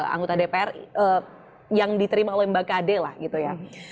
anggota dpr yang diterima oleh mbak kade lah gitu ya